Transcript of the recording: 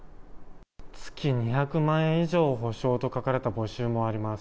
月２００万円以上保証と書かれた募集もあります。